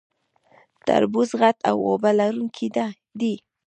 تربوز غټ او اوبه لرونکی دی